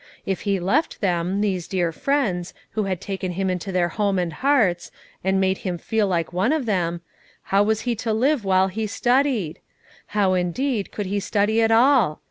If he left them, these dear friends, who had taken him into their home and hearts, and made him feel like one of thorn, how was he to live while he studied? How, indeed, could he study at all?